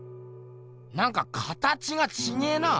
なんか形がちげえな。